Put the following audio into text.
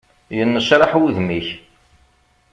Yennecraḥ wudem-ik.